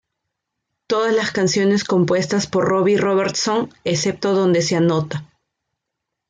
Todas las canciones compuestas por Robbie Robertson excepto donde se anota.